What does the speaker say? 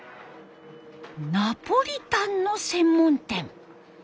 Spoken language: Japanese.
ナポリタンの専門店。